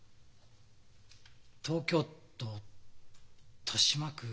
東京都豊島区。